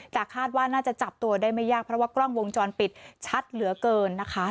แต่คาดว่าน่าจะจับตัวได้ไม่ยากเพราะว่ากล้องวงจรปิดชัดเหลือเกินนะคะ